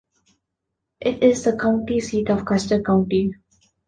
It is the county seat of Custer County.